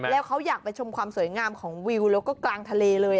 แล้วเขาอยากไปชมความสวยงามของวิวแล้วก็กลางทะเลเลย